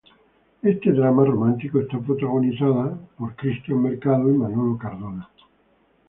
Este drama romántico está protagonizada por Cristian Mercado y Manolo Cardona.